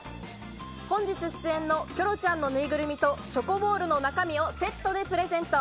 本日出演のキョロちゃんのぬいぐるみと「チョコボールのなかみ」をセットでプレゼント。